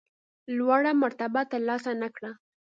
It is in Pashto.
لوړه مرتبه ترلاسه نه کړه.